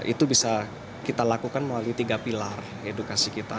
itu bisa kita lakukan melalui tiga pilar edukasi kita